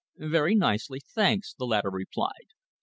"Very nicely, thanks," the latter replied.